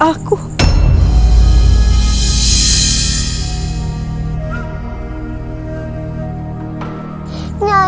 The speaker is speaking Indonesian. aku tidak ingat apa apa